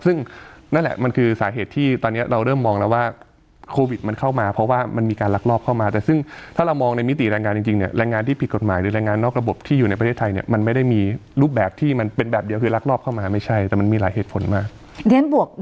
ซึ่งนั่นแหละมันคือสาเหตุที่ตอนนี้เราเริ่มมองแล้วว่าโควิดมันเข้ามาเพราะว่ามันมีการลักลอบเข้ามาแต่ซึ่งถ้าเรามองในมิติแรงงานจริงเนี่ยแรงงานที่ผิดกฎหมายหรือแรงงานนอกระบบที่อยู่ในประเทศไทยเนี่ยมันไม่ได้มีรูปแบบที่มันเป็นแบบเดียวคือลักลอบเข้ามาไม่ใช่แต่มันมีหลายเหตุผลมาก